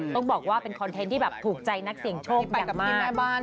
ต้องบอกว่าเป็นคอนเทนต์ที่ถูกใจนักเสียงโชคอย่างมาก